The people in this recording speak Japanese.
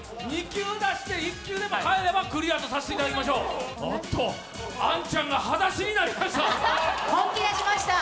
２球出して１球でも返ればクリアとさせていただきましょうおおっと杏ちゃんが裸足になりました